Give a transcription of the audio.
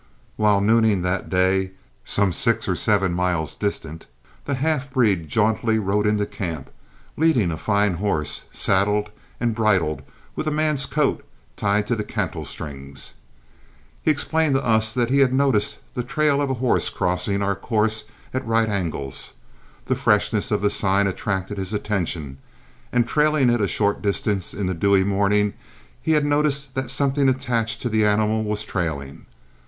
While nooning that day some six or seven miles distant, the half breed jauntily rode into camp, leading a fine horse, saddled and bridled, with a man's coat tied to the cantle strings. He explained to us that he had noticed the trail of a horse crossing our course at right angles. The freshness of the sign attracted his attention, and trailing it a short distance in the dewy morning he had noticed that something attached to the animal was trailing.